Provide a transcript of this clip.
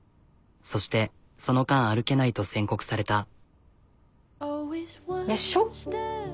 そしてその間歩けないと宣告された。